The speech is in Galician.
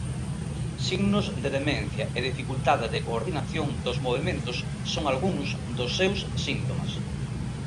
Signos de demencia e dificultade de coordinación dos movementos son algúns dos seus síntomas...